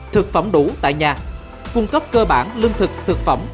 thực phẩm đủ tại nhà cung cấp cơ bản lương thực thực phẩm